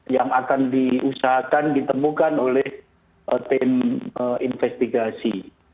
yang akan diusahakan ditemukan oleh tim investigasi